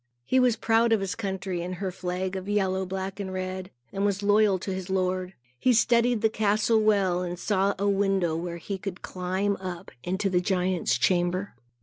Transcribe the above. He was proud of his country and her flag of yellow, black and red, and was loyal to his lord. He studied the castle well and saw a window, where he could climb up into the giant's chamber.